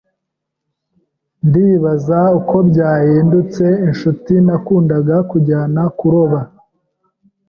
Ndibaza uko byahindutse inshuti nakundaga kujyana kuroba.